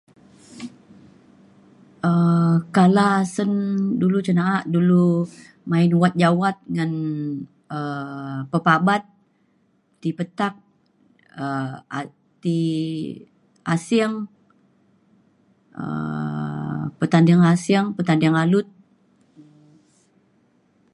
um kala asen dulu cin na’a dulu main wat jawat ngan um pepabat ti petak um a- ti asing um pertanding asing pertanding alut